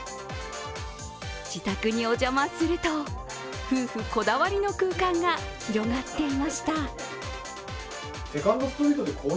自宅にお邪魔すると、夫婦こだわりの空間が広がっていました。